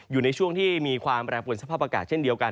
อยู่ในช่วงที่มีความแปรปวนสภาพอากาศเช่นเดียวกัน